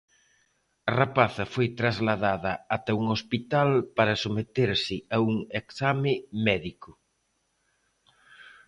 A rapaza foi trasladada ata un hospital para someterse a un exame médico.